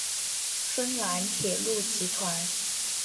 芬兰铁路集团。